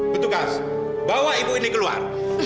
petugas bawa ibu ini keluar